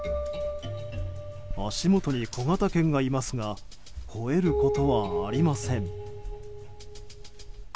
足元に小型犬がいますが吠えることはありません。